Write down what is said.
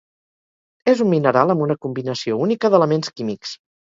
És un mineral amb una combinació única d’elements químics.